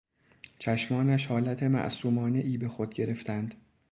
چشمانش حالت معصومانهای بهخود گرفتند.